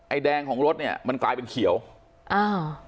แดงของรถเนี้ยมันกลายเป็นเขียวอ้าว